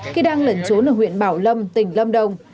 khi đang lẩn trốn ở huyện bảo lâm tỉnh lâm đồng